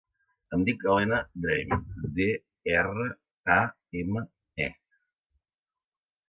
Em dic Elena Drame: de, erra, a, ema, e.